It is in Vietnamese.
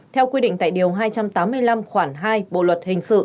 theo quy định tại điều hai trăm tám mươi năm khoảng hai bộ luật hình sự